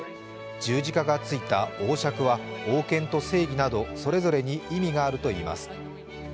十字架がついた王しゃくは王権と正義などそれぞれに意味があるといいます。